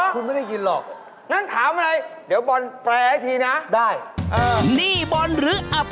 คุณไม่ได้ยินหรอก